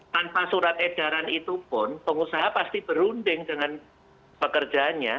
tanpa surat edaran itu pun pengusaha pasti berunding dengan pekerjaannya